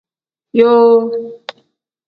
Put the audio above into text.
Yoo.